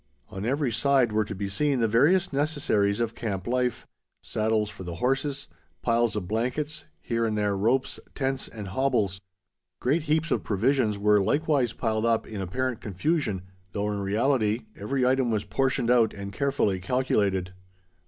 On every side were to be seen the various necessaries of camp life: saddles for the horses, piles of blankets, here and there ropes, tents, and hobbles. Great heaps of provisions were likewise piled up in apparent confusion, though, in reality, every item was portioned out and carefully calculated.